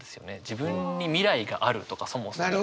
自分に未来があるとかそもそも。